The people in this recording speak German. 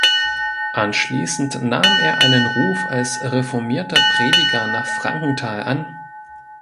Anschließend nahm er einen Ruf als reformierter Prediger nach Frankenthal an.